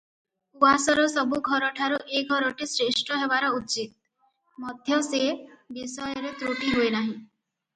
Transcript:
ଉଆସର ସବୁ ଘରଠାରୁ ଏ ଘରଟି ଶ୍ରେଷ୍ଠ ହେବାର ଉଚିତ, ମଧ୍ୟ ସେ ବିଷୟରେ ତ୍ରୁଟି ହୋଇନାହିଁ ।